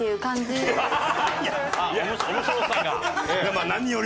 面白さが？